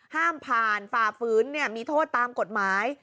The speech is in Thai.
ห้ามผ่านฝ่าฝืนมีโทษตามกฎหมาย